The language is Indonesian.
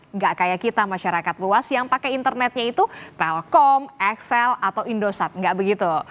nggak kayak kita masyarakat luas yang pakai internetnya itu telkom excel atau indosat nggak begitu